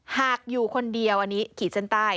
อยู่คนเดียวอันนี้ขีดเส้นใต้